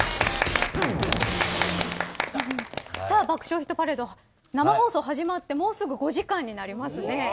「爆笑ヒットパレード」生放送が始まってもうすぐ５時間になりますね。